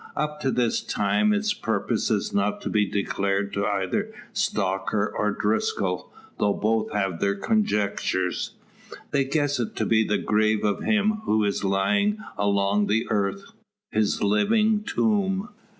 Up to this time its purpose has not been declared to either Stocker, or Driscoll, though both have their conjectures. They guess it to be the grave of him who is lying along the earth his living tomb!